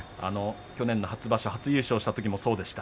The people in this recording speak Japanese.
去年の初場所初優勝したときもそうでした。